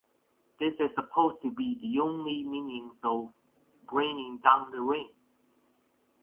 This is supposed to be the only means of bringing down the rain.